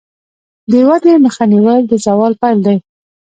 د ودې مخه نیول د زوال پیل دی.